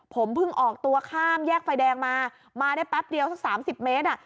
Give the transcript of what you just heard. ผมเพิ่งออกตัวข้ามแยกไฟแดงมามาได้แป๊บเดียวสัก๓๐เมตร